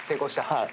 はい。